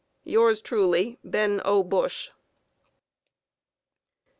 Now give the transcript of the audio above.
Yours truly, Ben O. Bush.